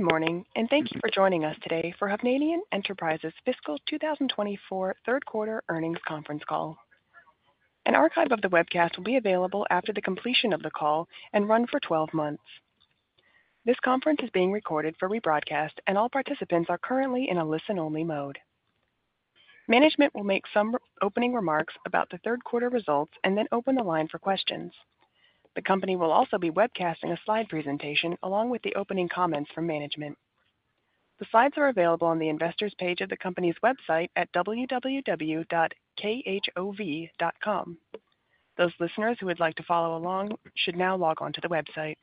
Good morning, and thank you for joining us today for Hovnanian Enterprises Fiscal 2024 third quarter earnings conference call. An archive of the webcast will be available after the completion of the call and run for 12 months. This conference is being recorded for rebroadcast, and all participants are currently in a listen-only mode. Management will make some opening remarks about the third quarter results and then open the line for questions. The company will also be webcasting a slide presentation along with the opening comments from management. The slides are available on the Investors page of the company's website at www.khov.com. Those listeners who would like to follow along should now log on to the website.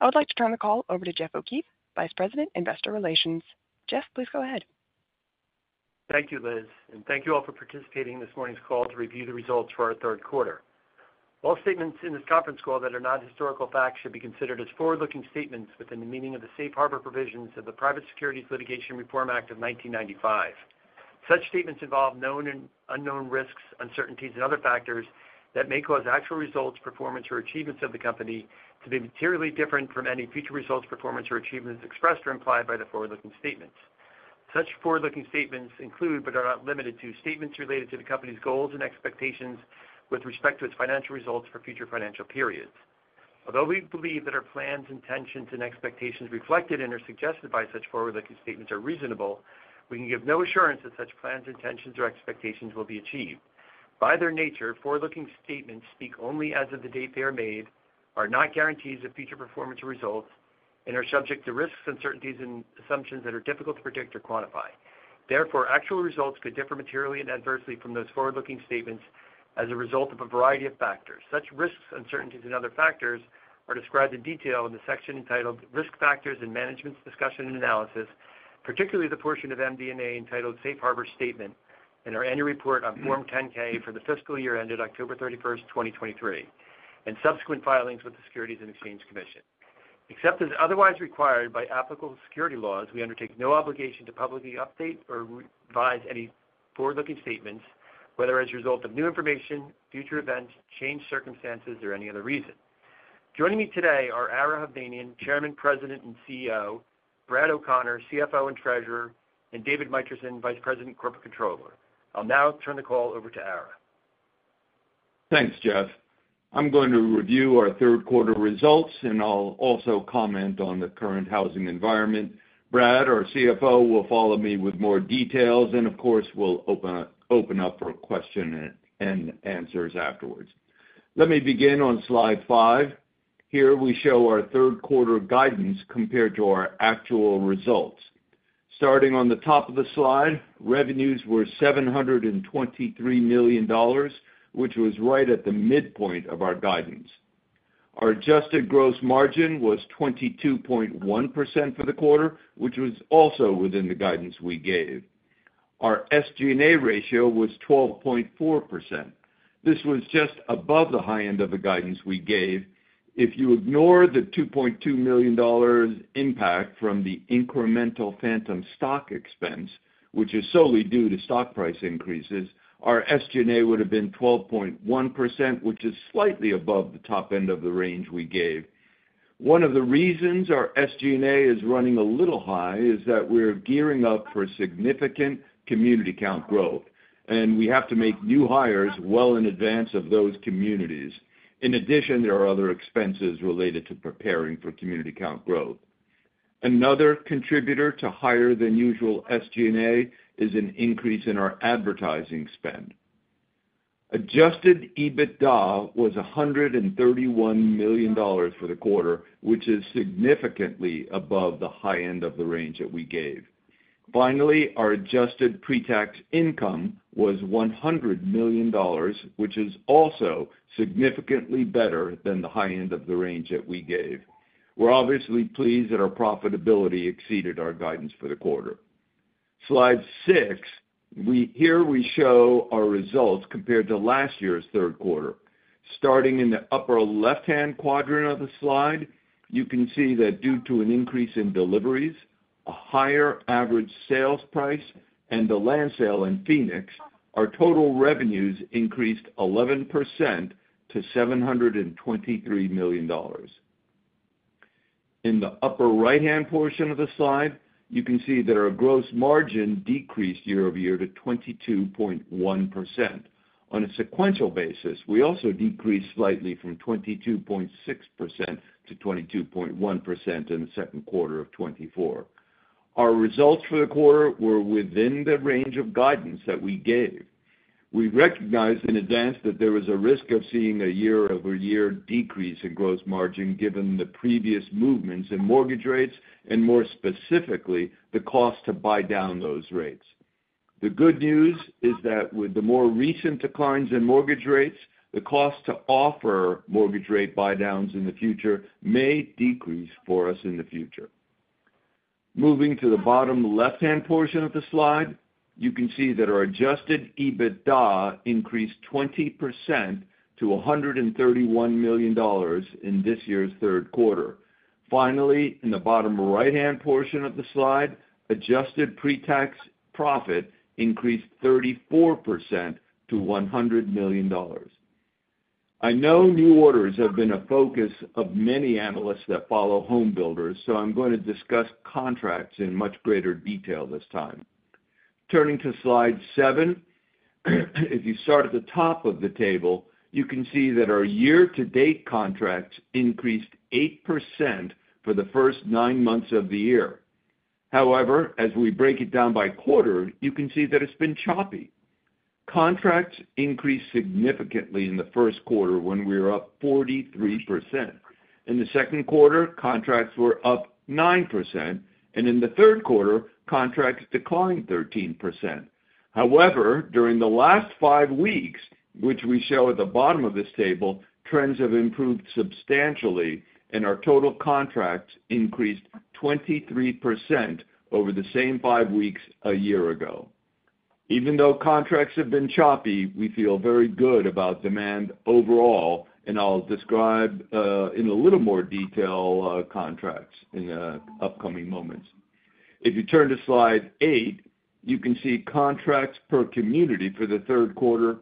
I would like to turn the call over to Jeff O'Keefe, Vice President, Investor Relations. Jeff, please go ahead. Thank you, Liz, and thank you all for participating in this morning's call to review the results for our third quarter. All statements in this conference call that are not historical facts should be considered as forward-looking statements within the meaning of the Safe Harbor provisions of the Private Securities Litigation Reform Act of 1995. Such statements involve known and unknown risks, uncertainties, and other factors that may cause actual results, performance, or achievements of the company to be materially different from any future results, performance, or achievements expressed or implied by the forward-looking statements. Such forward-looking statements include, but are not limited to, statements related to the company's goals and expectations with respect to its financial results for future financial periods. Although we believe that our plans, intentions, and expectations reflected and/or suggested by such forward-looking statements are reasonable, we can give no assurance that such plans, intentions, or expectations will be achieved. By their nature, forward-looking statements speak only as of the date they are made, are not guarantees of future performance or results, and are subject to risks, uncertainties, and assumptions that are difficult to predict or quantify. Therefore, actual results could differ materially and adversely from those forward-looking statements as a result of a variety of factors. Such risks, uncertainties, and other factors are described in detail in the section entitled Risk Factors and Management's Discussion and Analysis, particularly the portion of MD&A entitled Safe Harbor Statement in our annual report on Form 10-K for the fiscal year ended October thirty-first, 2023, and subsequent filings with the Securities and Exchange Commission. Except as otherwise required by applicable security laws, we undertake no obligation to publicly update or revise any forward-looking statements, whether as a result of new information, future events, changed circumstances, or any other reason. Joining me today are Ara Hovnanian, Chairman, President, and CEO, Brad O'Connor, CFO, and Treasurer, and David Michener, VP, Corporate Controller. I'll now turn the call over to Ara. Thanks, Jeff. I'm going to review our third quarter results, and I'll also comment on the current housing environment. Brad, our CFO, will follow me with more details, and of course, we'll open up for questions and answers afterwards. Let me begin on Slide five. Here, we show our third quarter guidance compared to our actual results. Starting on the top of the slide, revenues were $723 million, which was right at the midpoint of our guidance. Our adjusted gross margin was 22.1% for the quarter, which was also within the guidance we gave. Our SG&A ratio was 12.4%. This was just above the high end of the guidance we gave. If you ignore the $2.2 million impact from the incremental phantom stock expense, which is solely due to stock price increases, our SG&A would have been 12.1%, which is slightly above the top end of the range we gave. One of the reasons our SG&A is running a little high is that we're gearing up for significant community count growth, and we have to make new hires well in advance of those communities. In addition, there are other expenses related to preparing for community count growth. Another contributor to higher than usual SG&A is an increase in our advertising spend. Adjusted EBITDA was $131 million for the quarter, which is significantly above the high end of the range that we gave. Finally, our adjusted pre-tax income was $100 million, which is also significantly better than the high end of the range that we gave. We're obviously pleased that our profitability exceeded our guidance for the quarter. Slide six, here we show our results compared to last year's third quarter. Starting in the upper left-hand quadrant of the slide, you can see that due to an increase in deliveries, a higher average sales price, and the land sale in Phoenix, our total revenues increased 11% to $723 million. In the upper right-hand portion of the slide, you can see that our gross margin decreased year-over-year to 22.1%. On a sequential basis, we also decreased slightly from 22.6% to 22.1% in the second quarter of 2024. Our results for the quarter were within the range of guidance that we gave. We recognized in advance that there was a risk of seeing a year-over-year decrease in gross margin, given the previous movements in mortgage rates and more specifically, the cost to buy down those rates. The good news is that with the more recent declines in mortgage rates, the cost to offer mortgage rate buydowns in the future may decrease for us in the future. Moving to the bottom left-hand portion of the slide, you can see that our Adjusted EBITDA increased 20% to $131 million in this year's third quarter. Finally, in the bottom right-hand portion of the slide, adjusted pre-tax profit increased 34% to $100 million... I know new orders have been a focus of many analysts that follow home builders, so I'm going to discuss contracts in much greater detail this time. Turning to Slide seven, if you start at the top of the table, you can see that our year-to-date contracts increased 8% for the first nine months of the year. However, as we break it down by quarter, you can see that it's been choppy. Contracts increased significantly in the first quarter when we were up 43%. In the second quarter, contracts were up 9%, and in the third quarter, contracts declined 13%. However, during the last five weeks, which we show at the bottom of this table, trends have improved substantially, and our total contracts increased 23% over the same five weeks a year ago. Even though contracts have been choppy, we feel very good about demand overall, and I'll describe in a little more detail contracts in upcoming moments. If you turn to Slide eight, you can see contracts per community for the third quarter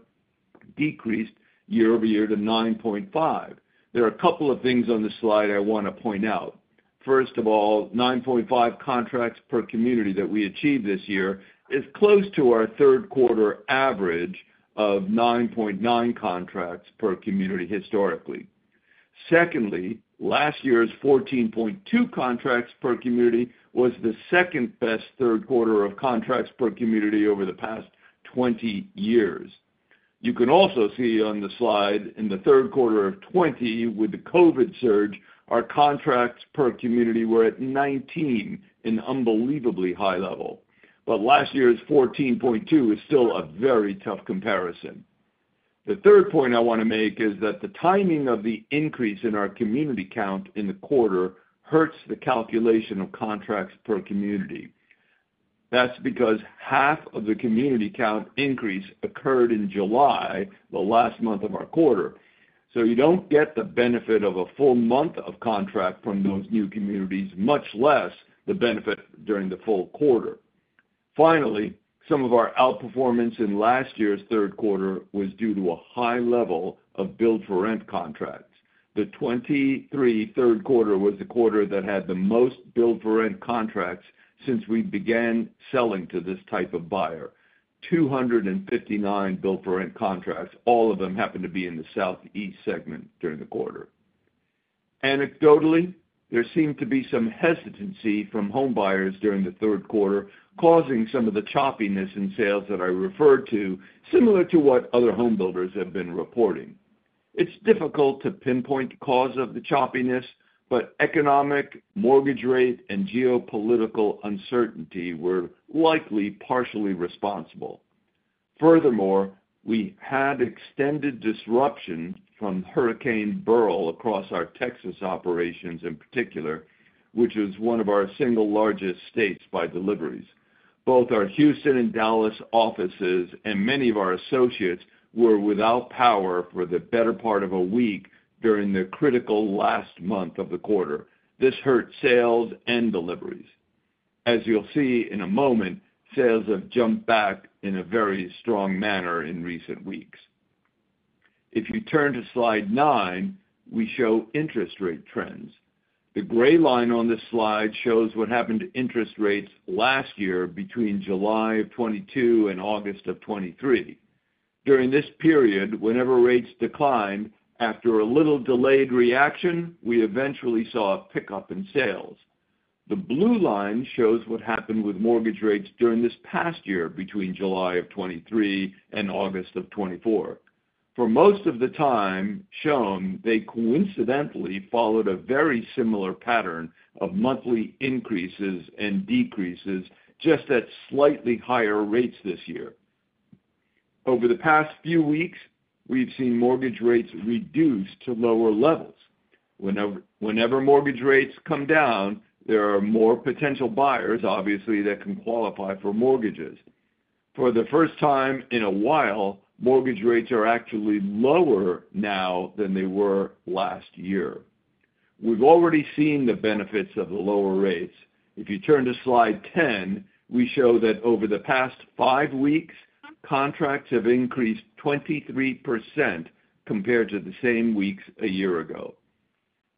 decreased year-over-year to 9.5. There are a couple of things on this slide I want to point out. First of all, 9.5 contracts per community that we achieved this year is close to our third quarter average of 9.9 contracts per community historically. Secondly, last year's 14.2 contracts per community was the second-best third quarter of contracts per community over the past 20 years. You can also see on the slide, in the third quarter of 2020, with the COVID surge, our contracts per community were at 19, an unbelievably high level. Last year's 14.2 is still a very tough comparison. The third point I want to make is that the timing of the increase in our community count in the quarter hurts the calculation of contracts per community. That's because half of the community count increase occurred in July, the last month of our quarter, so you don't get the benefit of a full month of contract from those new communities, much less the benefit during the full quarter. Finally, some of our outperformance in last year's third quarter was due to a high level of build-for-rent contracts. The 2023 third quarter was the quarter that had the most build-for-rent contracts since we began selling to this type of buyer. 259 build-for-rent contracts, all of them happened to be in the Southeast segment during the quarter. Anecdotally, there seemed to be some hesitancy from homebuyers during the third quarter, causing some of the choppiness in sales that I referred to, similar to what other home builders have been reporting. It's difficult to pinpoint the cause of the choppiness, but economic, mortgage rate, and geopolitical uncertainty were likely partially responsible. Furthermore, we had extended disruption from Hurricane Beryl across our Texas operations in particular, which is one of our single largest states by deliveries. Both our Houston and Dallas offices, and many of our associates, were without power for the better part of a week during the critical last month of the quarter. This hurt sales and deliveries. As you'll see in a moment, sales have jumped back in a very strong manner in recent weeks. If you turn to Slide nine, we show interest rate trends. The gray line on this slide shows what happened to interest rates last year between July of 2022 and August of 2023. During this period, whenever rates declined, after a little delayed reaction, we eventually saw a pickup in sales. The blue line shows what happened with mortgage rates during this past year, between July of 2023 and August of 2024. For most of the time shown, they coincidentally followed a very similar pattern of monthly increases and decreases, just at slightly higher rates this year. Over the past few weeks, we've seen mortgage rates reduce to lower levels. Whenever mortgage rates come down, there are more potential buyers, obviously, that can qualify for mortgages. For the first time in a while, mortgage rates are actually lower now than they were last year. We've already seen the benefits of the lower rates. If you turn to Slide 10, we show that over the past five weeks, contracts have increased 23% compared to the same weeks a year ago.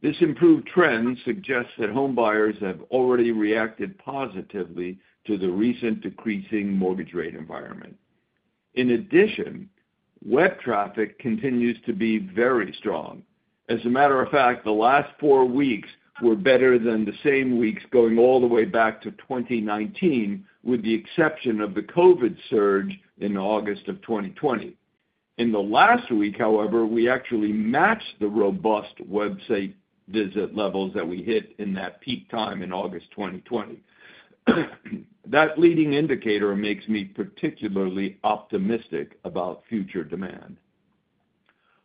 This improved trend suggests that homebuyers have already reacted positively to the recent decreasing mortgage rate environment. In addition, web traffic continues to be very strong. As a matter of fact, the last four weeks were better than the same weeks going all the way back to 2019, with the exception of the COVID surge in August of 2020. In the last week, however, we actually matched the robust website visit levels that we hit in that peak time in August 2020. That leading indicator makes me particularly optimistic about future demand.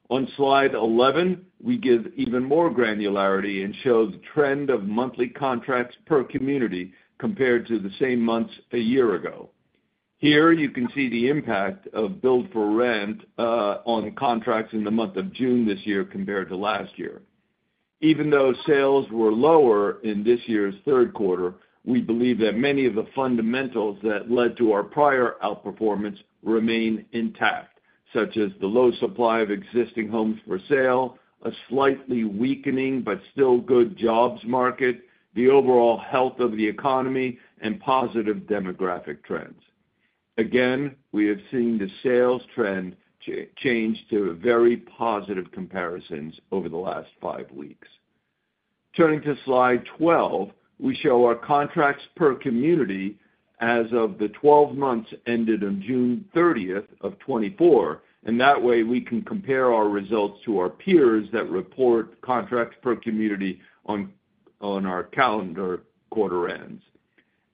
On Slide 11, we give even more granularity and show the trend of monthly contracts per community compared to the same months a year ago. Here, you can see the impact of build-for-rent on contracts in the month of June this year compared to last year. Even though sales were lower in this year's third quarter, we believe that many of the fundamentals that led to our prior outperformance remain intact, such as the low supply of existing homes for sale, a slightly weakening but still good jobs market, the overall health of the economy, and positive demographic trends. Again, we have seen the sales trend change to very positive comparisons over the last five weeks. Turning to Slide 12, we show our contracts per community as of the 12 months ended on June thirtieth of 2024, and that way, we can compare our results to our peers that report contracts per community on our calendar quarter ends.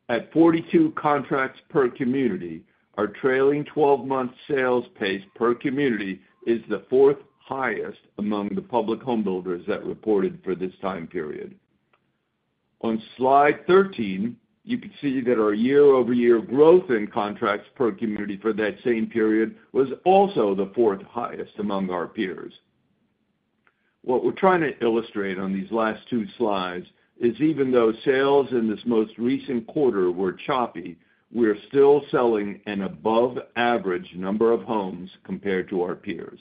At 42 contracts per community, our trailing 12-month sales pace per community is the fourth highest among the public homebuilders that reported for this time period. On Slide 13, you can see that our year-over-year growth in contracts per community for that same period was also the fourth highest among our peers. What we're trying to illustrate on these last two slides is even though sales in this most recent quarter were choppy, we are still selling an above average number of homes compared to our peers.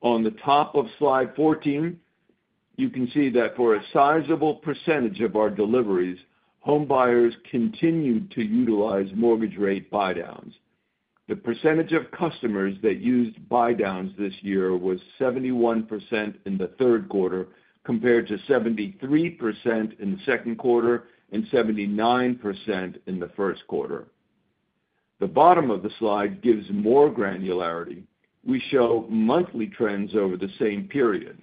On the top of Slide 14, you can see that for a sizable percentage of our deliveries, homebuyers continued to utilize mortgage rate buydowns. The percentage of customers that used buydowns this year was 71% in the third quarter, compared to 73% in the second quarter and 79% in the first quarter. The bottom of the slide gives more granularity. We show monthly trends over the same period.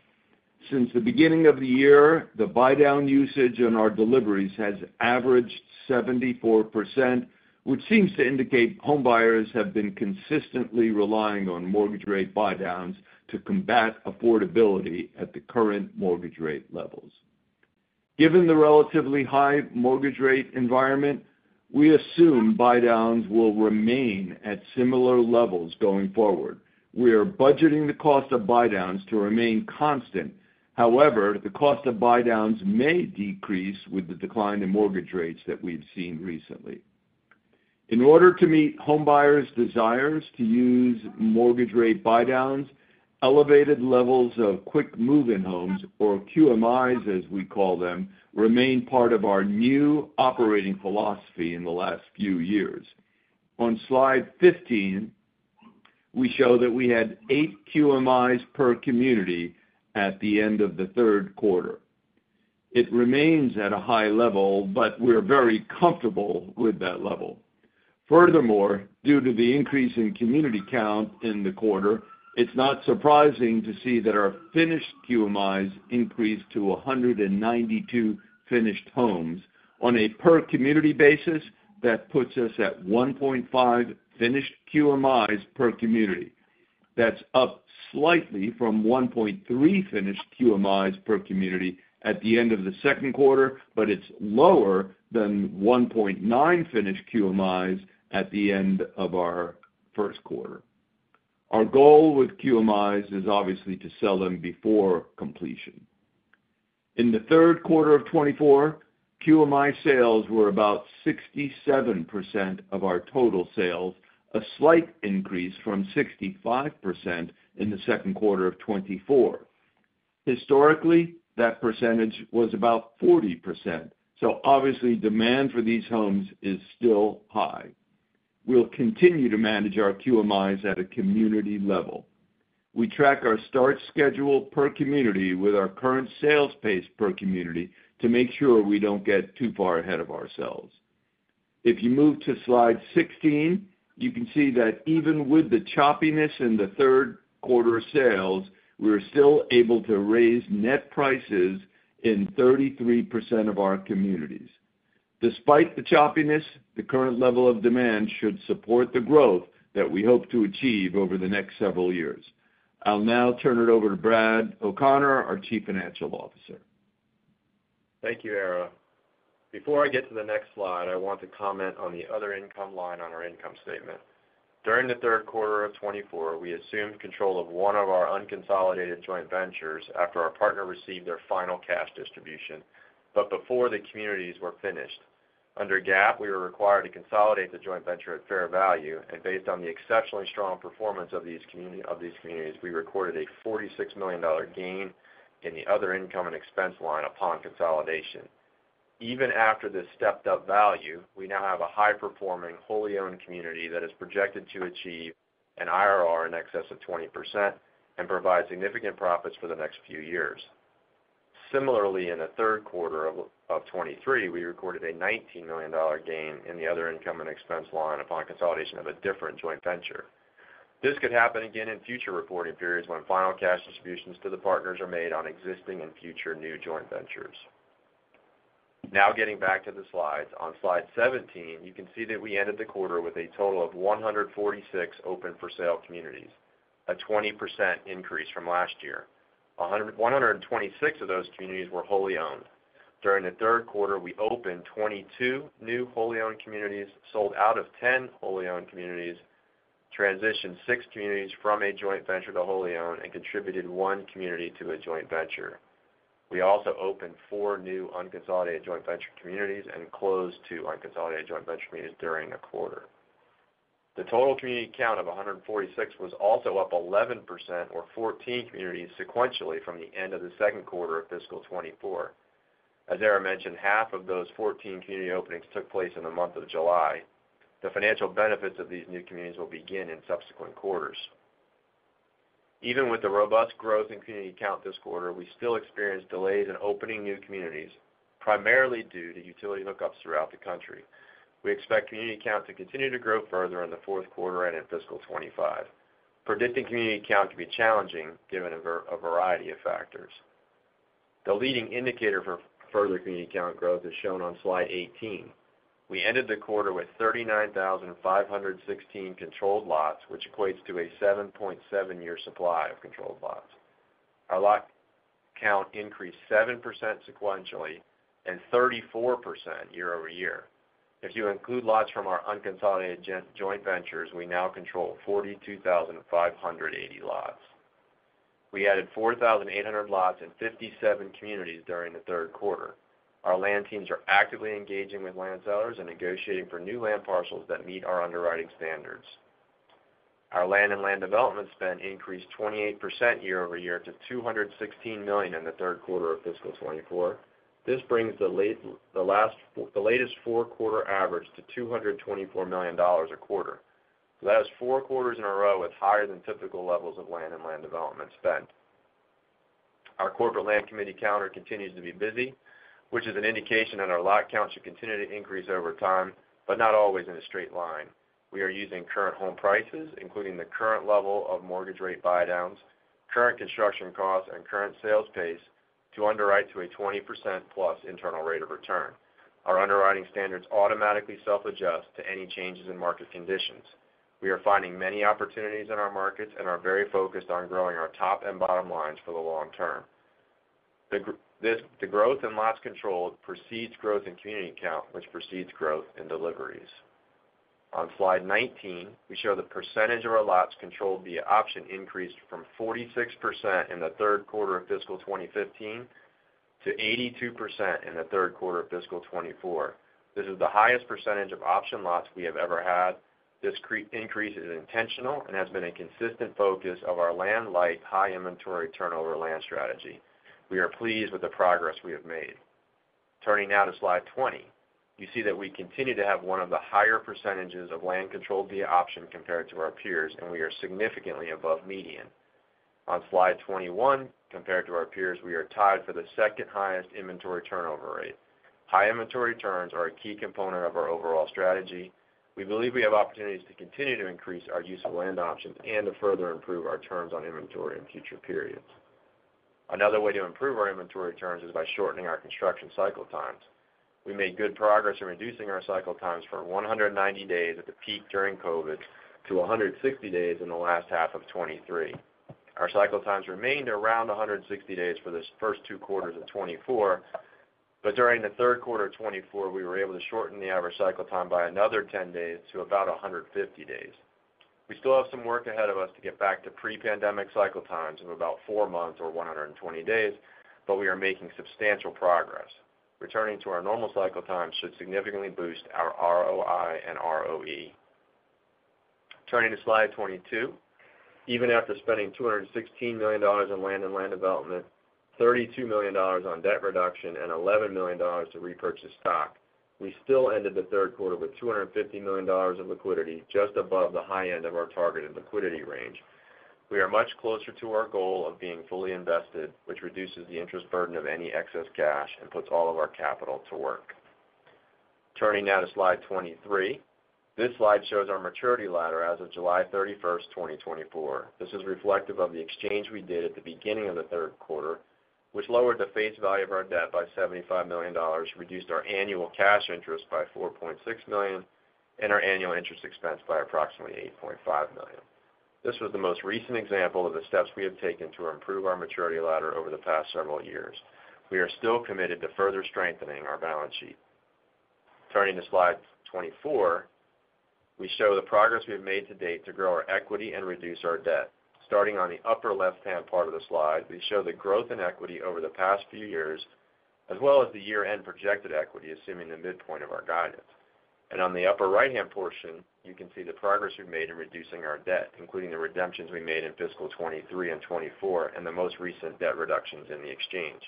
Since the beginning of the year, the buydown usage on our deliveries has averaged 74%, which seems to indicate homebuyers have been consistently relying on mortgage rate buydowns to combat affordability at the current mortgage rate levels. Given the relatively high mortgage rate environment, we assume buydowns will remain at similar levels going forward. We are budgeting the cost of buydowns to remain constant. However, the cost of buydowns may decrease with the decline in mortgage rates that we've seen recently. In order to meet homebuyers' desires to use mortgage rate buydowns, elevated levels of quick move-in homes, or QMIs, as we call them, remain part of our new operating philosophy in the last few years. On Slide 15, we show that we had eight QMIs per community at the end of the third quarter. It remains at a high level, but we're very comfortable with that level. Furthermore, due to the increase in community count in the quarter, it's not surprising to see that our finished QMIs increased to 192 finished homes. On a per community basis, that puts us at 1.5 finished QMIs per community. That's up slightly from 1.3 finished QMIs per community at the end of the second quarter, but it's lower than 1.9 finished QMIs at the end of our first quarter. Our goal with QMIs is obviously to sell them before completion. In the third quarter of 2024, QMI sales were about 67% of our total sales, a slight increase from 65% in the second quarter of 2024. Historically, that percentage was about 40%, so obviously, demand for these homes is still high. We'll continue to manage our QMIs at a community level. We track our start schedule per community with our current sales pace per community to make sure we don't get too far ahead of ourselves. If you move to Slide 16, you can see that even with the choppiness in the third quarter of sales, we're still able to raise net prices in 33% of our communities. Despite the choppiness, the current level of demand should support the growth that we hope to achieve over the next several years. I'll now turn it over to Brad O'Connor, our Chief Financial Officer. Thank you, Ara. Before I get to the next slide, I want to comment on the other income line on our income statement. During the third quarter of 2024, we assumed control of one of our unconsolidated joint ventures after our partner received their final cash distribution, but before the communities were finished. Under GAAP, we were required to consolidate the joint venture at fair value, and based on the exceptionally strong performance of these communities, we recorded a $46 million gain in the other income and expense line upon consolidation. Even after this stepped-up value, we now have a high-performing, wholly owned community that is projected to achieve an IRR in excess of 20% and provide significant profits for the next few years. Similarly, in the third quarter of 2023, we recorded a $19 million gain in the other income and expense line upon consolidation of a different joint venture. This could happen again in future reporting periods when final cash distributions to the partners are made on existing and future new joint ventures. Now getting back to the slides. On Slide 17, you can see that we ended the quarter with a total of 146 open-for-sale communities, a 20% increase from last year. 126 of those communities were wholly owned. During the third quarter, we opened 22 new wholly owned communities, sold out of 10 wholly owned communities, and transitioned six communities from a joint venture to wholly owned and contributed one community to a joint venture. We also opened four new unconsolidated joint venture communities and closed two unconsolidated joint venture communities during the quarter. The total community count of 146 was also up 11% or 14 communities sequentially from the end of the second quarter of fiscal 2024. As Ara mentioned, half of those 14 community openings took place in the month of July. The financial benefits of these new communities will begin in subsequent quarters. Even with the robust growth in community count this quarter, we still experienced delays in opening new communities, primarily due to utility hookups throughout the country. We expect community count to continue to grow further in the fourth quarter and in fiscal 2025. Predicting community count can be challenging, given a variety of factors. The leading indicator for further community count growth is shown on Slide 18. We ended the quarter with 39,516 controlled lots, which equates to a 7.7-year supply of controlled lots. Our lot count increased 7% sequentially and 34% year-over-year. If you include lots from our unconsolidated joint ventures, we now control 42,580 lots. We added 4,800 lots in 57 communities during the third quarter. Our land teams are actively engaging with land sellers and negotiating for new land parcels that meet our underwriting standards. Our land and land development spend increased 28% year-over-year to $216 million in the third quarter of fiscal 2024. This brings the latest four-quarter average to $224 million a quarter. That is four quarters in a row with higher than typical levels of land and land development spend. Our corporate land committee calendar continues to be busy, which is an indication that our lot count should continue to increase over time, but not always in a straight line. We are using current home prices, including the current level of mortgage rate buydowns, current construction costs, and current sales pace, to underwrite to a 20% plus internal rate of return. Our underwriting standards automatically self-adjust to any changes in market conditions. We are finding many opportunities in our markets and are very focused on growing our top and bottom lines for the long term. The growth in lots controlled precedes growth in community count, which precedes growth in deliveries. On Slide 19, we show the percentage of our lots controlled via option increased from 46% in the third quarter of fiscal 2015 to 82% in the third quarter of fiscal 2024. This is the highest percentage of option lots we have ever had. This increase is intentional and has been a consistent focus of our land-light, high inventory turnover land strategy. We are pleased with the progress we have made. Turning now to Slide 20, you see that we continue to have one of the higher percentages of land controlled via option compared to our peers, and we are significantly above median. On Slide 21, compared to our peers, we are tied for the second highest inventory turnover rate. High inventory turns are a key component of our overall strategy. We believe we have opportunities to continue to increase our use of land options and to further improve our turns on inventory in future periods. Another way to improve our inventory turns is by shortening our construction cycle times. We made good progress in reducing our cycle times from 190 days at the peak during COVID to a hundred and sixty days in the last half of 2023. Our cycle times remained around a hundred and sixty days for the first two quarters of 2024, but during the third quarter of 2024, we were able to shorten the average cycle time by another ten days to about a hundred and fifty days. We still have some work ahead of us to get back to pre-pandemic cycle times of about four months or 120 days, but we are making substantial progress. Returning to our normal cycle times should significantly boost our ROI and ROE. Turning to Slide 22, even after spending $216 million in land and land development, $32 million on debt reduction, and $11 million to repurchase stock, we still ended the third quarter with $250 million of liquidity, just above the high end of our targeted liquidity range. We are much closer to our goal of being fully invested, which reduces the interest burden of any excess cash and puts all of our capital to work. Turning now to Slide 23. This slide shows our maturity ladder as of July 31st, 2024. This is reflective of the exchange we did at the beginning of the third quarter, which lowered the face value of our debt by $75 million, reduced our annual cash interest by $4.6 million, and our annual interest expense by approximately $8.5 million. This was the most recent example of the steps we have taken to improve our maturity ladder over the past several years. We are still committed to further strengthening our balance sheet. Turning to Slide 24, we show the progress we have made to date to grow our equity and reduce our debt. Starting on the upper left-hand part of the slide, we show the growth in equity over the past few years, as well as the year-end projected equity, assuming the midpoint of our guidance. On the upper right-hand portion, you can see the progress we've made in reducing our debt, including the redemptions we made in fiscal 2023 and 2024, and the most recent debt reductions in the exchange.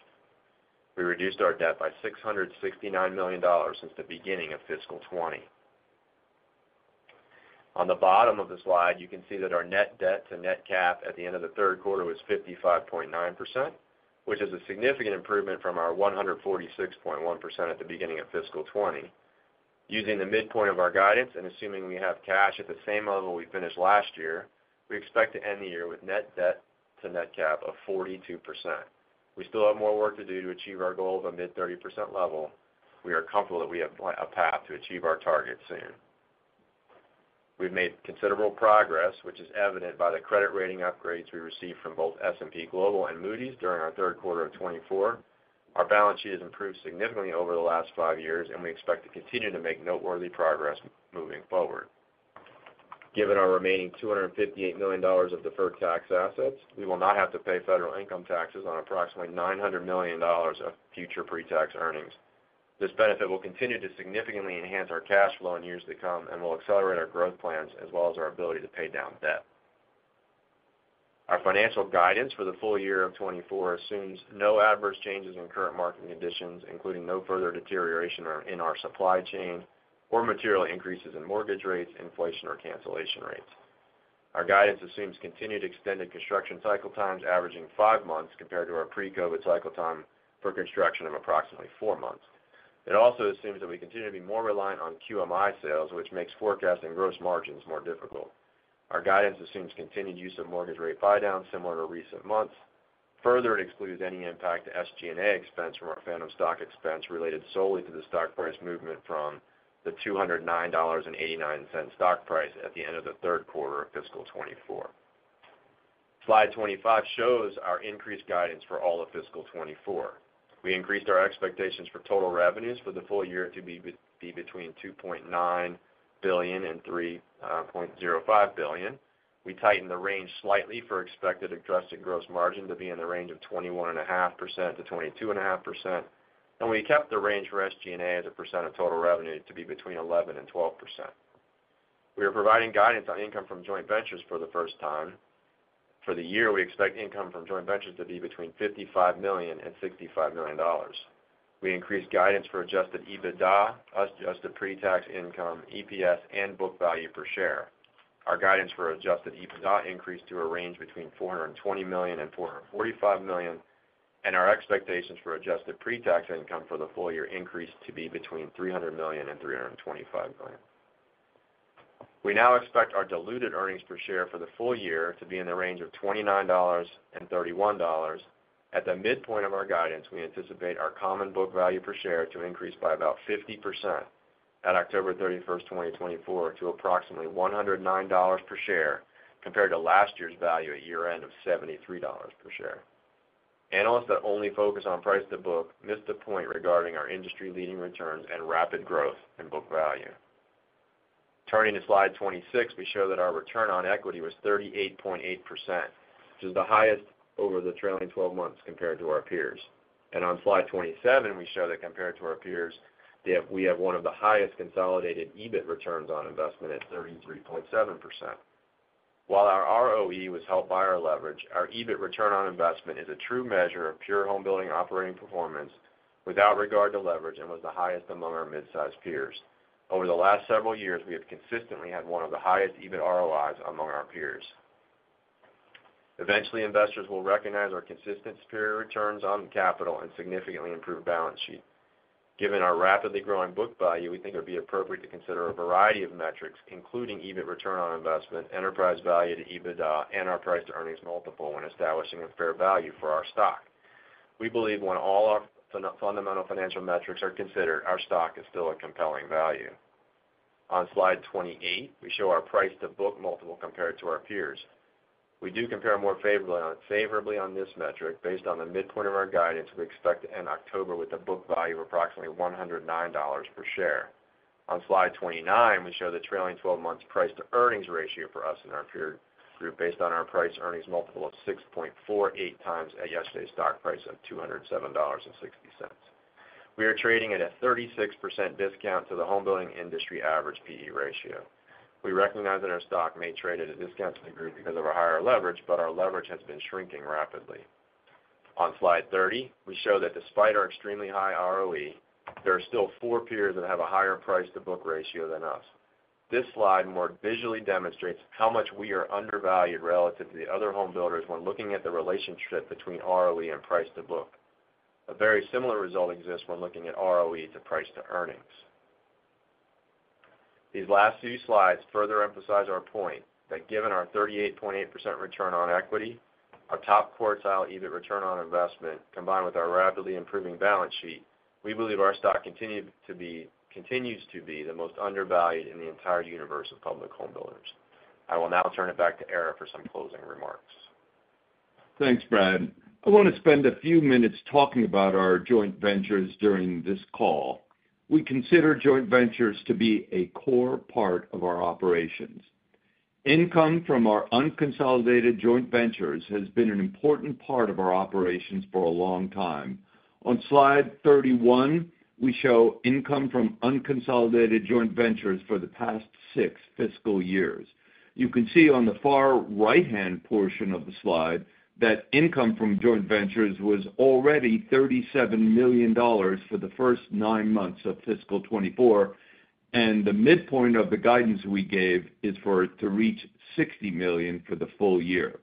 We reduced our debt by $669 million since the beginning of fiscal 2020. On the bottom of the slide, you can see that our net debt to net cap at the end of the third quarter was 55.9%, which is a significant improvement from our 146.1% at the beginning of fiscal 2020. Using the midpoint of our guidance and assuming we have cash at the same level we finished last year, we expect to end the year with net debt to net cap of 42%. We still have more work to do to achieve our goal of a mid-30% level. We are comfortable that we have a path to achieve our target soon. We've made considerable progress, which is evident by the credit rating upgrades we received from both S&P Global and Moody's during our third quarter of 2024. Our balance sheet has improved significantly over the last five years, and we expect to continue to make noteworthy progress moving forward. Given our remaining $258 million of deferred tax assets, we will not have to pay federal income taxes on approximately $900 million of future pretax earnings. This benefit will continue to significantly enhance our cash flow in years to come and will accelerate our growth plans as well as our ability to pay down debt. Our financial guidance for the full year of 2024 assumes no adverse changes in current market conditions, including no further deterioration in our supply chain or material increases in mortgage rates, inflation, or cancellation rates. Our guidance assumes continued extended construction cycle times averaging five months compared to our pre-COVID cycle time for construction of approximately four months. It also assumes that we continue to be more reliant on QMI sales, which makes forecasting gross margins more difficult. Our guidance assumes continued use of mortgage rate buydowns, similar to recent months. Further, it excludes any impact to SG&A expense from our phantom stock expense related solely to the stock price movement from the $209.89 stock price at the end of the third quarter of fiscal 2024. Slide 25 shows our increased guidance for all of fiscal 2024. We increased our expectations for total revenues for the full year to be between $2.9 billion and $3.05 billion. We tightened the range slightly for expected adjusted gross margin to be in the range of 21.5%-22.5%, and we kept the range for SG&A as a percent of total revenue to be between 11%-12%. We are providing guidance on income from joint ventures for the first time. For the year, we expect income from joint ventures to be between $55 million and $65 million. We increased guidance for Adjusted EBITDA, Adjusted Pre-Tax Income, EPS, and book value per share. Our guidance for Adjusted EBITDA increased to a range between $420 million and $445 million, and our expectations for Adjusted Pre-Tax Income for the full year increased to be between $300 million and $325 million. We now expect our diluted earnings per share for the full year to be in the range of $29 and $31. At the midpoint of our guidance, we anticipate our common book value per share to increase by about 50% at October 31st, 2024, to approximately $109 per share, compared to last year's value at year-end of $73 per share. Analysts that only focus on price to book miss the point regarding our industry-leading returns and rapid growth in book value. Turning to Slide 26, we show that our return on equity was 38.8%, which is the highest over the trailing 12 months compared to our peers, and on Slide 27, we show that compared to our peers, that we have one of the highest consolidated EBIT returns on investment at 33.7%. While our ROE was helped by our leverage, our EBIT return on investment is a true measure of pure homebuilding operating performance without regard to leverage and was the highest among our mid-sized peers. Over the last several years, we have consistently had one of the highest EBIT ROIs among our peers. Eventually, investors will recognize our consistent superior returns on capital and significantly improved balance sheet. Given our rapidly growing book value, we think it would be appropriate to consider a variety of metrics, including EBIT return on investment, enterprise value to EBITDA, and our price-to-earnings multiple when establishing a fair value for our stock. We believe when all our fundamental financial metrics are considered, our stock is still a compelling value. On Slide 28, we show our price-to-book multiple compared to our peers. We do compare more favorably on this metric based on the midpoint of our guidance we expect to end October with a book value of approximately $109 per share. On Slide 29, we show the trailing 12 months price-to-earnings ratio for us and our peer group based on our price-to-earnings multiple of 6.48 times at yesterday's stock price of $207.60. We are trading at a 36% discount to the home building industry average P/E ratio. We recognize that our stock may trade at a discount to the group because of our higher leverage, but our leverage has been shrinking rapidly. On Slide 30, we show that despite our extremely high ROE, there are still four peers that have a higher price-to-book ratio than us. This slide more visually demonstrates how much we are undervalued relative to the other home builders when looking at the relationship between ROE and price to book. A very similar result exists when looking at ROE to price to earnings. These last few slides further emphasize our point that given our 38.8% return on equity, our top-quartile EBIT return on investment, combined with our rapidly improving balance sheet, we believe our stock continues to be the most undervalued in the entire universe of public home builders. I will now turn it back to Ara for some closing remarks. Thanks, Brad. I want to spend a few minutes talking about our joint ventures during this call. We consider joint ventures to be a core part of our operations. Income from our unconsolidated joint ventures has been an important part of our operations for a long time. On Slide 31, we show income from unconsolidated joint ventures for the past six fiscal years. You can see on the far right-hand portion of the slide that income from joint ventures was already $37 million for the first nine months of fiscal 2024, and the midpoint of the guidance we gave is for it to reach $60 million for the full year.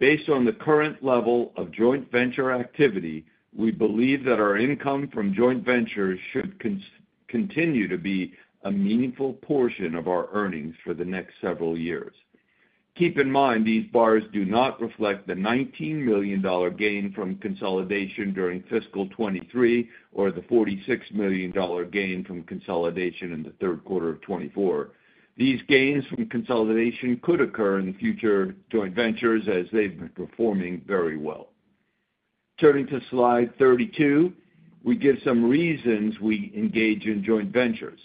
Based on the current level of joint venture activity, we believe that our income from joint ventures should continue to be a meaningful portion of our earnings for the next several years. Keep in mind, these bars do not reflect the $19 million gain from consolidation during fiscal 2023 or the $46 million gain from consolidation in the third quarter of 2024. These gains from consolidation could occur in the future joint ventures, as they've been performing very well. Turning to Slide 32, we give some reasons we engage in joint ventures.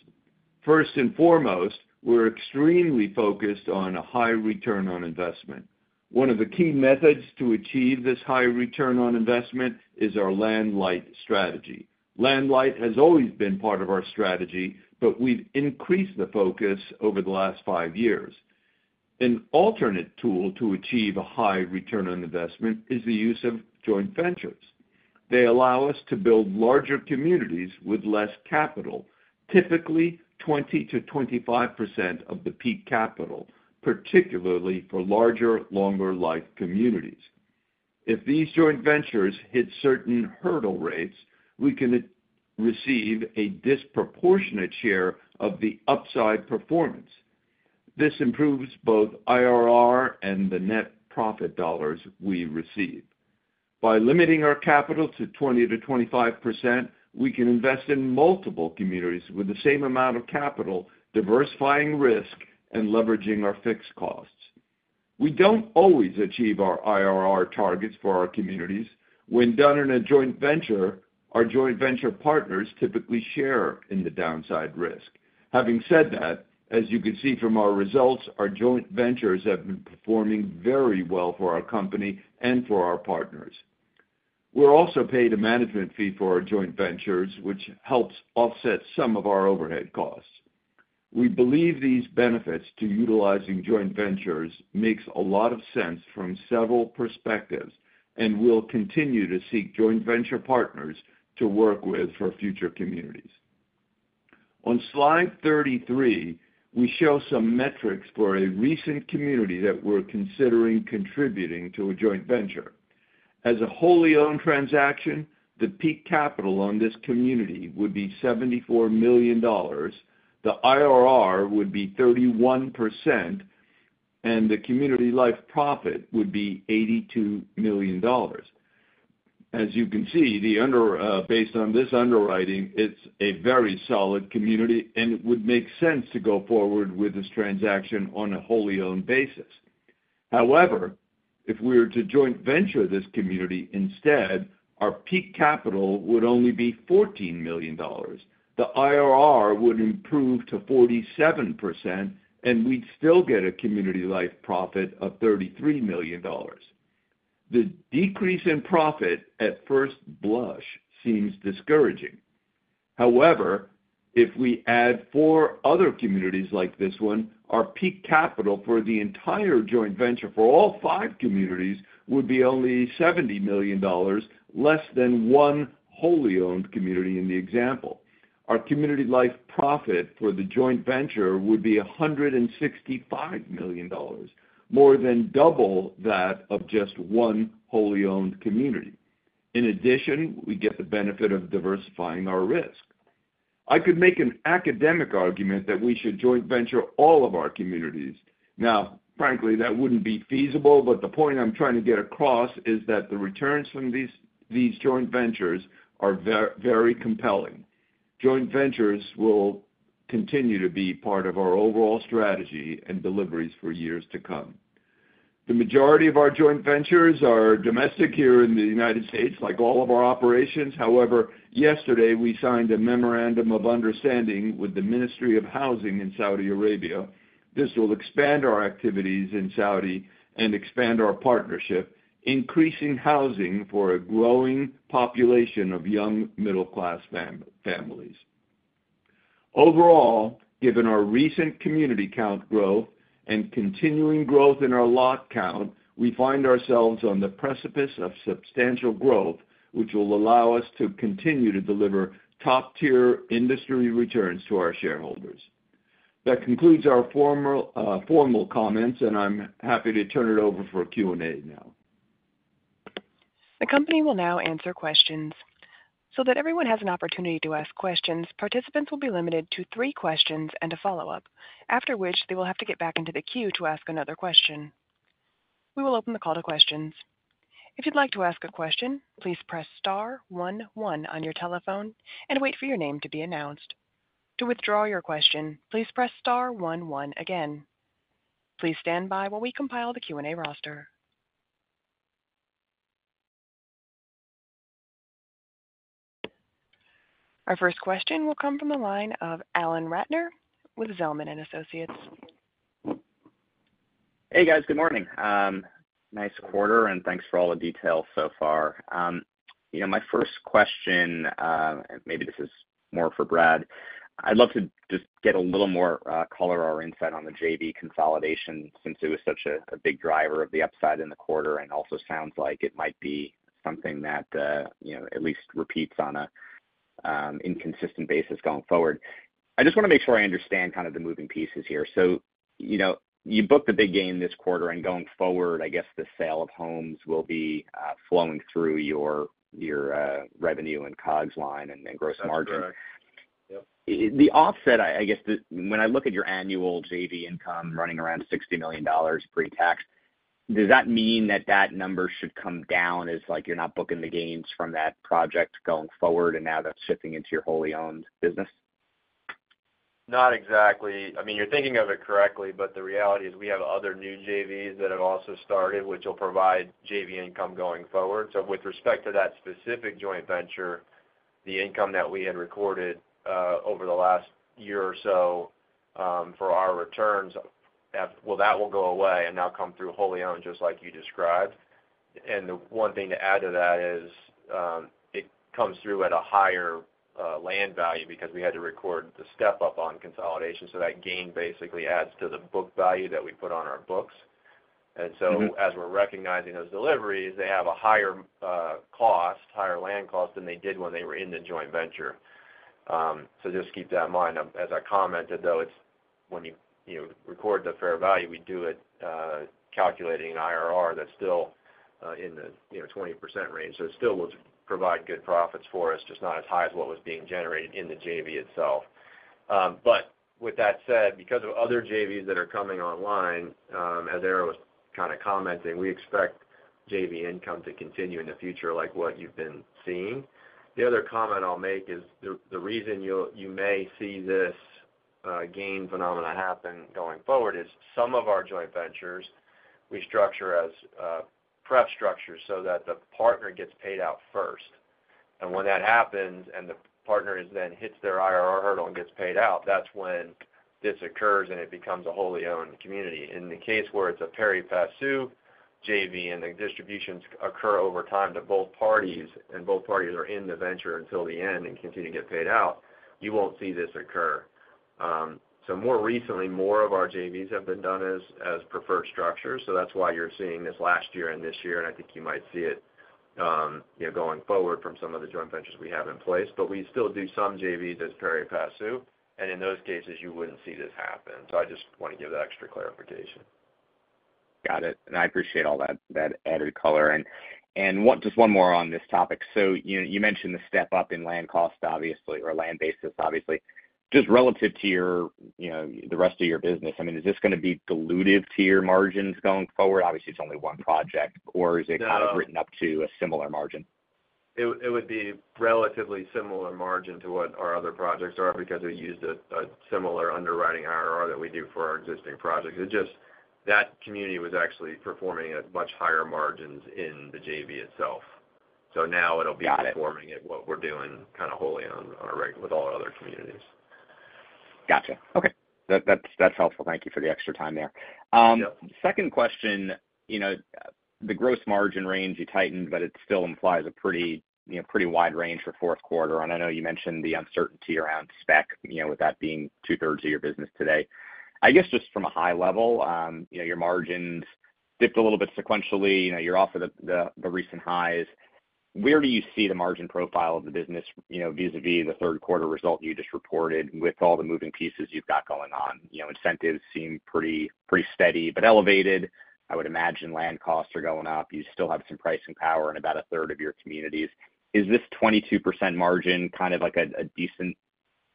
First and foremost, we're extremely focused on a high return on investment. One of the key methods to achieve this high return on investment is our land light strategy. Land light has always been part of our strategy, but we've increased the focus over the last five years. An alternate tool to achieve a high return on investment is the use of joint ventures. They allow us to build larger communities with less capital, typically 20%-25% of the peak capital, particularly for larger, longer life communities. If these joint ventures hit certain hurdle rates, we can receive a disproportionate share of the upside performance. This improves both IRR and the net profit dollars we receive. By limiting our capital to 20%-25%, we can invest in multiple communities with the same amount of capital, diversifying risk and leveraging our fixed costs. We don't always achieve our IRR targets for our communities. When done in a joint venture, our joint venture partners typically share in the downside risk. Having said that, as you can see from our results, our joint ventures have been performing very well for our company and for our partners. We're also paid a management fee for our joint ventures, which helps offset some of our overhead costs. We believe these benefits to utilizing joint ventures makes a lot of sense from several perspectives, and we'll continue to seek joint venture partners to work with for future communities. On Slide 33, we show some metrics for a recent community that we're considering contributing to a joint venture. As a wholly owned transaction, the peak capital on this community would be $74 million, the IRR would be 31%, and the community life profit would be $82 million. As you can see, based on this underwriting, it's a very solid community, and it would make sense to go forward with this transaction on a wholly owned basis. However, if we were to joint venture this community instead, our peak capital would only be $14 million. The IRR would improve to 47%, and we'd still get a community life profit of $33 million. The decrease in profit at first blush seems discouraging. However, if we add four other communities like this one, our peak capital for the entire joint venture for all five communities would be only $70 million, less than one wholly owned community in the example. Our community life profit for the joint venture would be $165 million, more than double that of just one wholly owned community. In addition, we get the benefit of diversifying our risk. I could make an academic argument that we should joint venture all of our communities. Now, frankly, that wouldn't be feasible, but the point I'm trying to get across is that the returns from these joint ventures are very compelling. Joint ventures will continue to be part of our overall strategy and deliveries for years to come. The majority of our joint ventures are domestic here in the United States, like all of our operations. However, yesterday, we signed a memorandum of understanding with the Ministry of Housing in Saudi Arabia. This will expand our activities in Saudi and expand our partnership, increasing housing for a growing population of young, middle class families. Overall, given our recent community count growth and continuing growth in our lot count, we find ourselves on the precipice of substantial growth, which will allow us to continue to deliver top-tier industry returns to our shareholders. That concludes our formal, formal comments, and I'm happy to turn it over for Q&A now. The company will now answer questions. So that everyone has an opportunity to ask questions, participants will be limited to three questions and a follow-up, after which they will have to get back into the queue to ask another question. We will open the call to questions. If you'd like to ask a question, please press star one, one on your telephone and wait for your name to be announced. To withdraw your question, please press star one, one again. Please stand by while we compile the Q&A roster. Our first question will come from the line of Alan Ratner with Zelman & Associates. Hey, guys. Good morning. Nice quarter, and thanks for all the details so far. You know, my first question, and maybe this is more for Brad. I'd love to just get a little more color or insight on the JV consolidation, since it was such a big driver of the upside in the quarter, and also sounds like it might be something that you know, at least repeats on a inconsistent basis going forward. I just wanna make sure I understand kind of the moving pieces here. So, you know, you booked a big gain this quarter, and going forward, I guess, the sale of homes will be flowing through your revenue and COGS line and then gross margin. That's correct. Yep. The offset, I guess. When I look at your annual JV income running around $60 million pre-tax, does that mean that that number should come down as, like, you're not booking the gains from that project going forward, and now that's shifting into your wholly owned business?... Not exactly. I mean, you're thinking of it correctly, but the reality is we have other new JVs that have also started, which will provide JV income going forward. So with respect to that specific joint venture, the income that we had recorded over the last year or so for our returns, that will go away and now come through wholly owned, just like you described. And the one thing to add to that is, it comes through at a higher land value because we had to record the step-up on consolidation. So that gain basically adds to the book value that we put on our books. And so as we're recognizing those deliveries, they have a higher cost, higher land cost than they did when they were in the joint venture. So just keep that in mind. As I commented, though, it's when you, you know, record the fair value, we do it calculating an IRR that's still in the, you know, 20% range. So it still will provide good profits for us, just not as high as what was being generated in the JV itself, but with that said, because of other JVs that are coming online, as Ara was kind of commenting, we expect JV income to continue in the future, like what you've been seeing. The other comment I'll make is the reason you may see this gain phenomena happen going forward is some of our joint ventures, we structure as preferred structures so that the partner gets paid out first. When that happens, and the partner then hits their IRR hurdle and gets paid out, that's when this occurs, and it becomes a wholly owned community. In the case where it's a pari passu JV, and the distributions occur over time to both parties, and both parties are in the venture until the end and continue to get paid out, you won't see this occur, so more recently, more of our JVs have been done as preferred structures, so that's why you're seeing this last year and this year, and I think you might see it, you know, going forward from some of the joint ventures we have in place, but we still do some JVs as pari passu, and in those cases, you wouldn't see this happen, so I just want to give that extra clarification. Got it, and I appreciate all that added color, and one more on this topic, so you mentioned the step-up in land cost, obviously, or land basis, obviously. Just relative to your, you know, the rest of your business, I mean, is this going to be dilutive to your margins going forward? Obviously, it's only one project, or is it kind of written up to a similar margin? It would be relatively similar margin to what our other projects are because we used a similar underwriting IRR that we do for our existing projects. It's just that community was actually performing at much higher margins in the JV itself. So now it'll be- Got it. -performing at what we're doing kind of wholly owned on a par with all our other communities. Gotcha. Okay. That's helpful. Thank you for the extra time there. Yep. Second question, you know, the gross margin range you tightened, but it still implies a pretty, you know, pretty wide range for fourth quarter. And I know you mentioned the uncertainty around spec, you know, with that being two-thirds of your business today. I guess, just from a high level, you know, your margins dipped a little bit sequentially. You know, you're off of the recent highs. Where do you see the margin profile of the business, you know, vis-a-vis the third quarter result you just reported with all the moving pieces you've got going on? You know, incentives seem pretty, pretty steady, but elevated. I would imagine land costs are going up. You still have some pricing power in about a third of your communities. Is this 22% margin kind of like a decent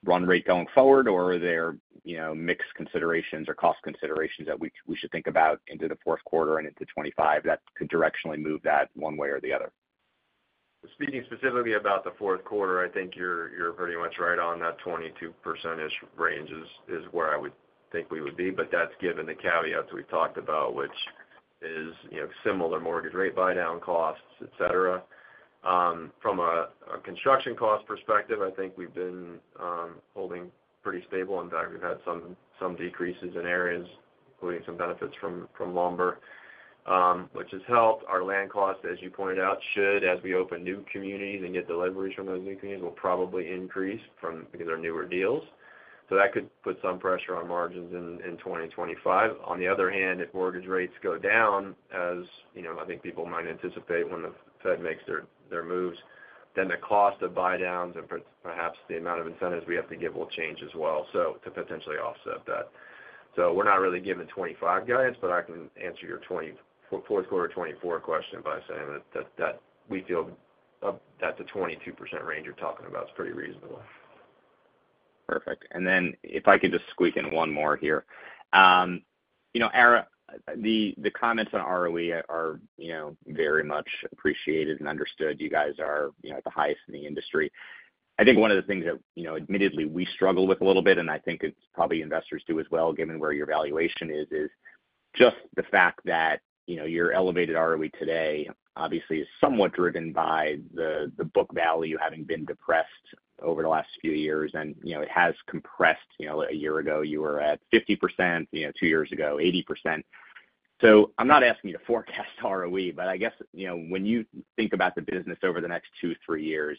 run rate going forward, or are there, you know, mixed considerations or cost considerations that we should think about into the fourth quarter and into 2025 that could directionally move that one way or the other? Speaking specifically about the fourth quarter, I think you're pretty much right on that 22% range is where I would think we would be, but that's given the caveats we've talked about, which is, you know, similar mortgage rate buy-down costs, et cetera. From a construction cost perspective, I think we've been holding pretty stable. In fact, we've had some decreases in areas, including some benefits from lumber, which has helped. Our land costs, as you pointed out, should, as we open new communities and get the leverage from those new communities, will probably increase, because they're newer deals. So that could put some pressure on margins in 2025. On the other hand, if mortgage rates go down, as you know, I think people might anticipate when the Fed makes their moves, then the cost of buy-downs and perhaps the amount of incentives we have to give will change as well, so to potentially offset that. So we're not really giving 2025 guidance, but I can answer your fourth quarter 2024 question by saying that we feel that the 22% range you're talking about is pretty reasonable. Perfect. And then if I could just squeak in one more here. You know, Ara, the comments on ROE are, you know, very much appreciated and understood. You guys are, you know, at the highest in the industry. I think one of the things that, you know, admittedly, we struggle with a little bit, and I think it's probably investors do as well, given where your valuation is, is just the fact that, you know, your elevated ROE today obviously is somewhat driven by the book value having been depressed over the last few years, and, you know, it has compressed. You know, a year ago, you were at 50%, you know, two years ago, 80%. I'm not asking you to forecast ROE, but I guess, you know, when you think about the business over the next two, three years,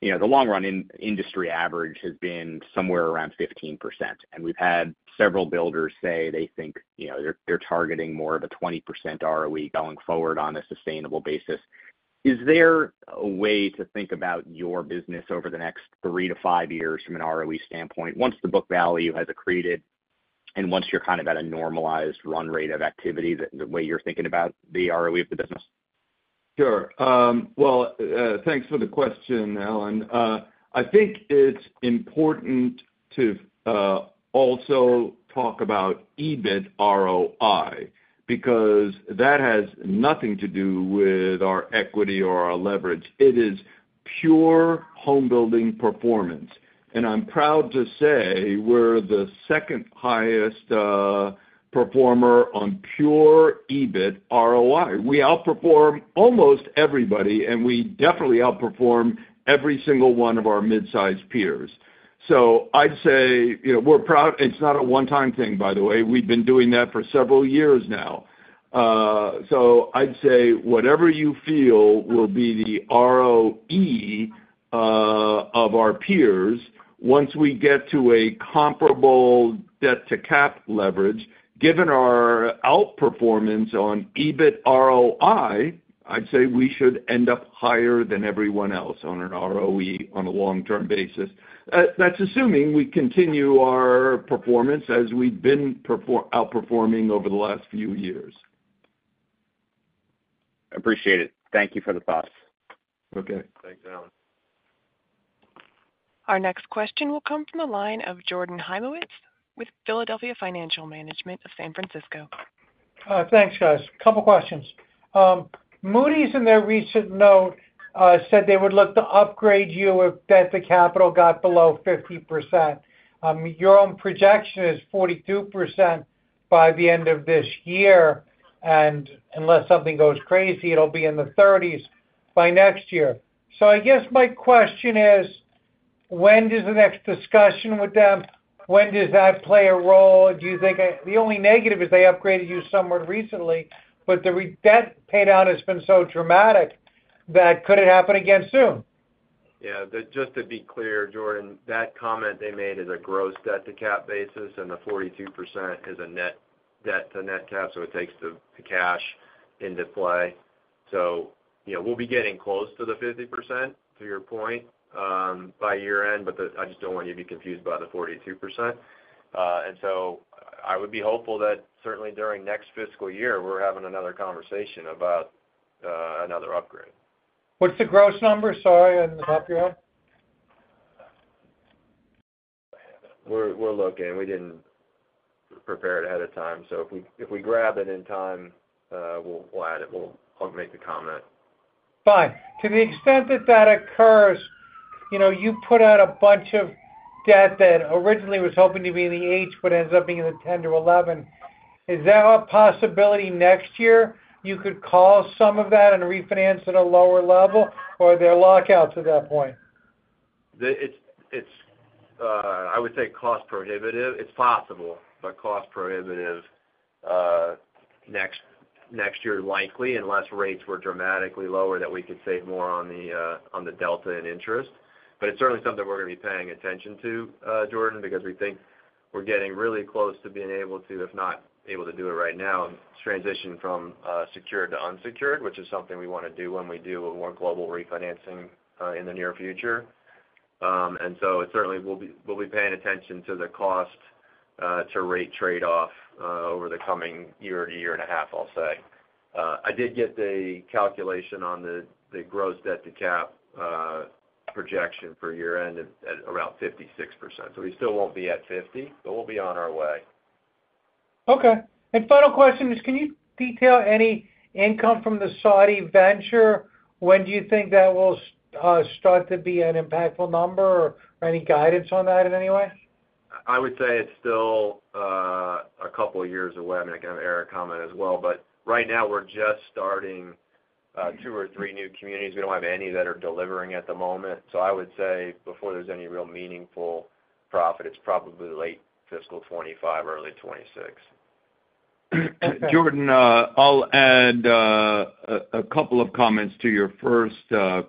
you know, the long-run industry average has been somewhere around 15%. We've had several builders say they think, you know, they're targeting more of a 20% ROE going forward on a sustainable basis. Is there a way to think about your business over the next three to five years from an ROE standpoint, once the book value has accreted and once you're kind of at a normalized run rate of activity, the way you're thinking about the ROE of the business? Sure. Well, thanks for the question, Alan. I think it's important to also talk about EBIT ROI, because that has nothing to do with our equity or our leverage. It is pure home building performance, and I'm proud to say we're the second highest performer on pure EBIT ROI. We outperform almost everybody, and we definitely outperform every single one of our mid-size peers. So I'd say, you know, we're proud. It's not a one-time thing, by the way. We've been doing that for several years now. So I'd say whatever you feel will be the ROE of our peers, once we get to a comparable debt to cap leverage, given our outperformance on EBIT ROI, I'd say we should end up higher than everyone else on an ROE on a long-term basis. That's assuming we continue our performance as we've been outperforming over the last few years. I appreciate it. Thank you for the thoughts. Okay. Thanks, Alan. Our next question will come from the line of Jordan Hymowitz with Philadelphia Financial Management of San Francisco. Thanks, guys. Couple questions. Moody's, in their recent note, said they would look to upgrade you if debt to capital got below 50%. Your own projection is 42% by the end of this year, and unless something goes crazy, it'll be in the 30s% by next year. So I guess my question is: When does the next discussion with them, when does that play a role? Do you think... The only negative is they upgraded you somewhat recently, but the debt paydown has been so dramatic that could it happen again soon? Yeah, just to be clear, Jordan, that comment they made is a gross debt to cap basis, and the 42% is a net debt to net cap, so it takes the cash into play. So, you know, we'll be getting close to the 50%, to your point, by year-end, but I just don't want you to be confused by the 42%. And so I would be hopeful that certainly during next fiscal year, we're having another conversation about another upgrade. What's the gross number, sorry, on the top you have? We're looking. We didn't prepare it ahead of time, so if we grab it in time, we'll add it. I'll make the comment. Fine. To the extent that that occurs, you know, you put out a bunch of debt that originally was hoping to be in the eights, but ends up being in the 10%-11%. Is that a possibility next year, you could call some of that and refinance at a lower level, or are there lockouts at that point? It's, I would say, cost prohibitive. It's possible, but cost prohibitive next year, likely, unless rates were dramatically lower, that we could save more on the delta in interest, but it's certainly something we're going to be paying attention to, Jordan, because we think we're getting really close to being able to, if not able to do it right now, transition from secured to unsecured, which is something we want to do when we do a more global refinancing in the near future, and so certainly, we'll be paying attention to the cost to rate trade-off over the coming year to year and a half, I'll say. I did get the calculation on the gross debt to cap projection for year-end at around 56%. So we still won't be at fifty, but we'll be on our way. Okay. And final question is, can you detail any income from the Saudi venture? When do you think that will start to be an impactful number? Or any guidance on that in any way? I would say it's still a couple of years away, and I can have Ara comment as well. But right now, we're just starting two or three new communities. We don't have any that are delivering at the moment. So I would say before there's any real meaningful profit, it's probably late fiscal 2025, early 2026. Jordan, I'll add a couple of comments to your first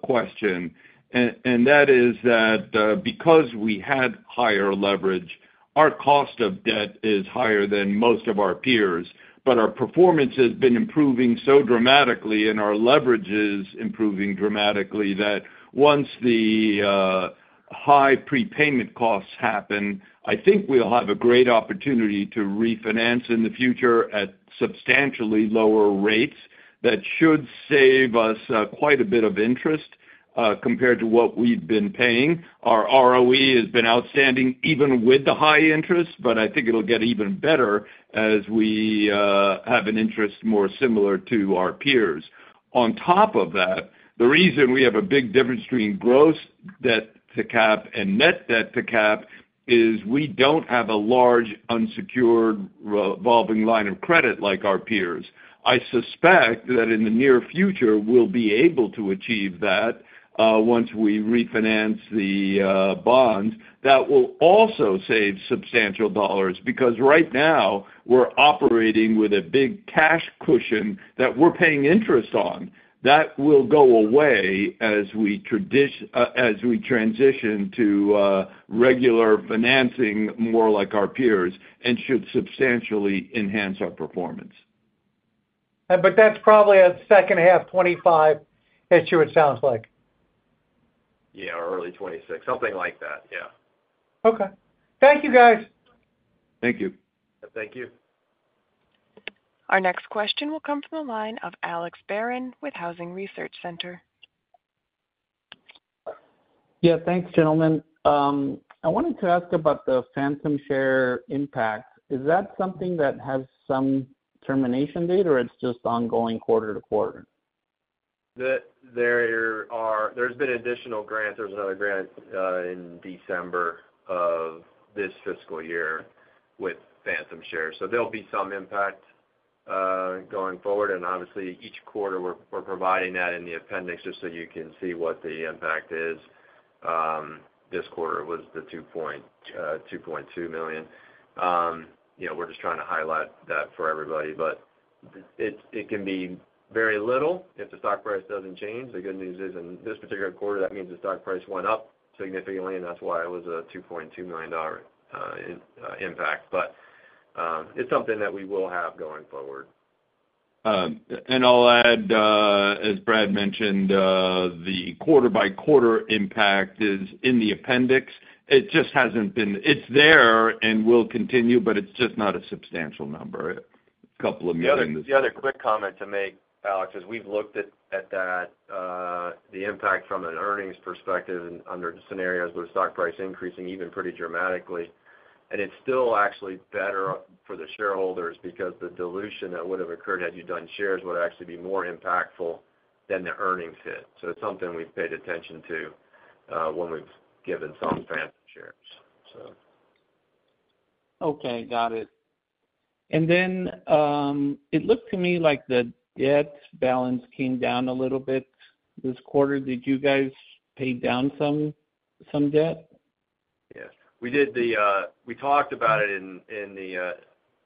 question, and that is that because we had higher leverage, our cost of debt is higher than most of our peers, but our performance has been improving so dramatically and our leverage is improving dramatically, that once the high prepayment costs happen, I think we'll have a great opportunity to refinance in the future at substantially lower rates. That should save us quite a bit of interest compared to what we've been paying. Our ROE has been outstanding, even with the high interest, but I think it'll get even better as we have an interest more similar to our peers. On top of that, the reason we have a big difference between gross debt to cap and net debt to cap is we don't have a large unsecured revolving line of credit like our peers. I suspect that in the near future, we'll be able to achieve that, once we refinance the bonds. That will also save substantial dollars, because right now we're operating with a big cash cushion that we're paying interest on. That will go away as we transition to regular financing, more like our peers, and should substantially enhance our performance. But that's probably a second half 2025 issue, it sounds like. Yeah, or early 2026. Something like that, yeah. Okay. Thank you, guys. Thank you. Thank you. Our next question will come from the line of Alex Barron with Housing Research Center. Yeah, thanks, gentlemen. I wanted to ask about the phantom share impact. Is that something that has some termination date, or it's just ongoing quarter to quarter? ... There are, there's been additional grants. There was another grant in December of this fiscal year with phantom shares. So there'll be some impact going forward. And obviously, each quarter, we're providing that in the appendix just so you can see what the impact is. This quarter, it was the $2.2 million. You know, we're just trying to highlight that for everybody, but it can be very little if the stock price doesn't change. The good news is, in this particular quarter, that means the stock price went up significantly, and that's why it was a $2.2 million dollar impact. But it's something that we will have going forward. And I'll add, as Brad mentioned, the quarter-by-quarter impact is in the appendix. It just hasn't been. It's there, and will continue, but it's just not a substantial number, a couple of million. The other quick comment to make, Alex, as we've looked at that, the impact from an earnings perspective and under scenarios where stock price increasing even pretty dramatically, and it's still actually better for the shareholders because the dilution that would have occurred had you done shares would actually be more impactful than the earnings hit. So it's something we've paid attention to, when we've given some phantom shares, so. Okay, got it. And then, it looked to me like the debt balance came down a little bit this quarter. Did you guys pay down some debt? Yes, we talked about it in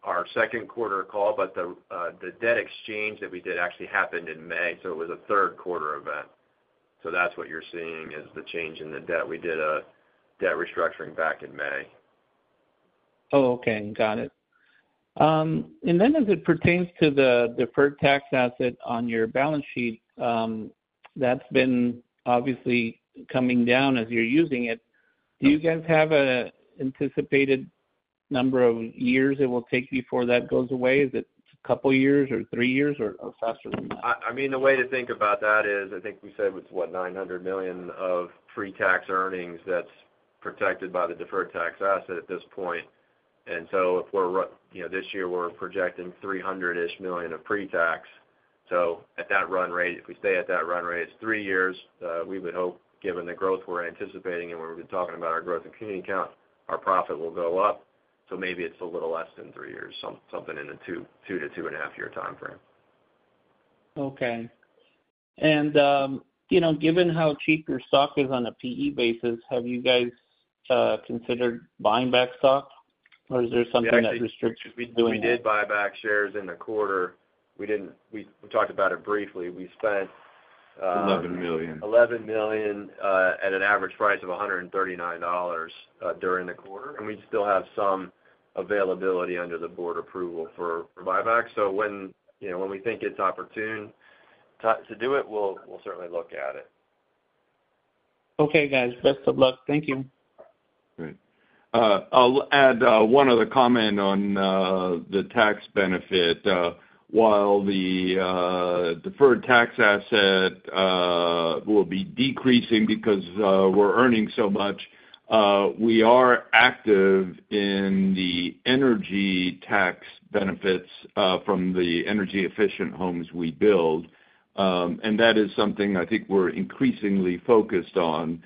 our second quarter call, but the debt exchange that we did actually happened in May, so it was a third quarter event. So that's what you're seeing is the change in the debt. We did a debt restructuring back in May. Oh, okay, got it. And then as it pertains to the deferred tax asset on your balance sheet, that's been obviously coming down as you're using it. Do you guys have an anticipated number of years it will take before that goes away? Is it a couple of years, or three years, or, or faster than that? I mean, the way to think about that is, I think we said it's, what? $900 million of pre-tax earnings that's protected by the deferred tax asset at this point. And so if we're, you know, this year we're projecting $300 million-ish of pre-tax. So at that run rate, if we stay at that run rate, it's three years, we would hope, given the growth we're anticipating and where we've been talking about our growth in community count, our profit will go up, so maybe it's a little less than three years, something in the two to two and a half year timeframe. Okay. And, you know, given how cheap your stock is on a PE basis, have you guys considered buying back stock, or is there something that restricts you from doing that? We did buy back shares in the quarter. We didn't. We talked about it briefly. We spent $11 million. $11 million at an average price of $139 during the quarter, and we still have some availability under the board approval for buyback, so when, you know, when we think it's opportune to do it, we'll certainly look at it. Okay, guys. Best of luck. Thank you. Great. I'll add one other comment on the tax benefit. While the deferred tax asset will be decreasing because we're earning so much, we are active in the energy tax benefits from the energy-efficient homes we build. And that is something I think we're increasingly focused on.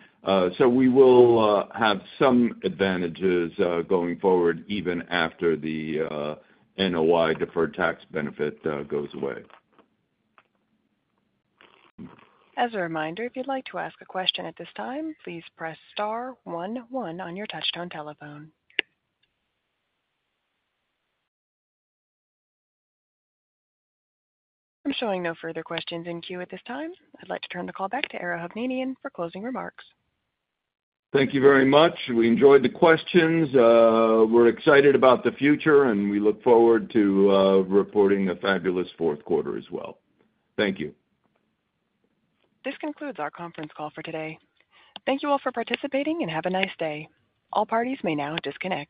So we will have some advantages going forward, even after the NOI deferred tax benefit goes away. As a reminder, if you'd like to ask a question at this time, please press star one one on your Touch-Tone telephone I'm showing no further questions in queue at this time. I'd like to turn the call back to Ara Hovnanian for closing remarks. Thank you very much. We enjoyed the questions. We're excited about the future, and we look forward to reporting a fabulous fourth quarter as well. Thank you. This concludes our conference call for today. Thank you all for participating, and have a nice day. All parties may now disconnect.